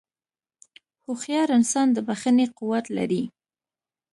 هوښیار انسان د بښنې قوت لري.